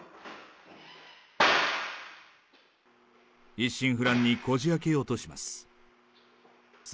一心不乱にこじあけようとします。